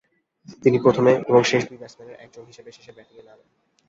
তিনি প্রথমে ও শেষ দুই ব্যাটসম্যানের একজন হিসেবে শেষে ব্যাটিংয়ে নামেন।